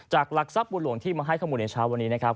หลักทรัพย์บุญหลวงที่มาให้ข้อมูลในเช้าวันนี้นะครับ